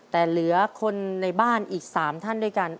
แต่เหลือคนในบ้านอีก๓ท่านด้วยกัน